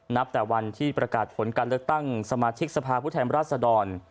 นับแต่วันที่ประกาศผลการเลือกตั้งสมาชิกสภาพผู้แทนราชดร